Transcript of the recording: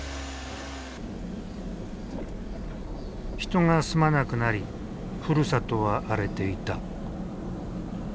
人が住まなくなりふるさとは荒れていた。